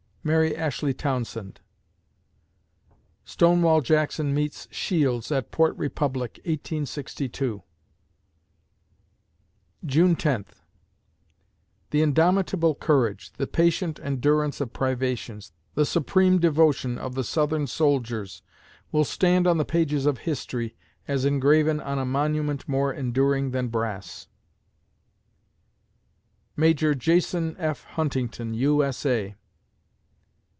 MARY ASHLEY TOWNSEND Stonewall Jackson meets Shields at Port Republic, 1862 June Tenth The indomitable courage, the patient endurance of privations, the supreme devotion of the Southern soldiers, will stand on the pages of history, as engraven on a monument more enduring than brass. MAJ. JAS. F. HUNTINGTON, U. S. A.